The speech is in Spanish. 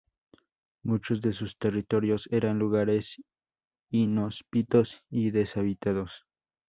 Muchos de sus territorios eran lugares inhóspitos y deshabitados.